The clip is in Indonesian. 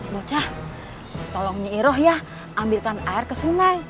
bocah tolong nyi iroh ya ambilkan air ke sungai